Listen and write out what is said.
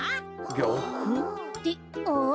ぎゃく？ってあっ！